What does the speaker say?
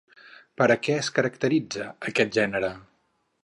Per a què es caracteritza aquest gènere?